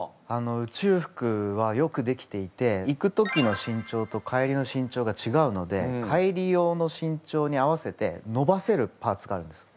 宇宙服はよくできていて行く時の身長と帰りの身長がちがうので帰り用の身長に合わせて伸ばせるパーツがあるんです。